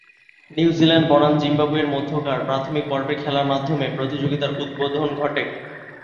New Zealand বনাম জিম্বাবুয়ের মধ্যকার প্রাথমিক পর্বের খেলার মাধ্যমে প্রতিযোগিতার উদ্বোধন ঘটে।